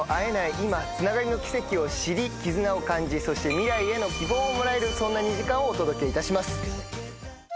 今つながりの奇跡を知り絆を感じそして未来への希望をもらえるそんな２時間をお届けいたします。